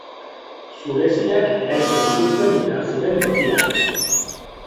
Zuresiak eraiki zituzten behar ziren tokian.